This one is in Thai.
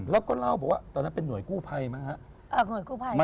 แล้วก็เล่าบอกว่าตอนนั้นเป็นห่วยกู้ภัยมั้งครับ